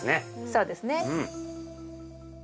そうですね。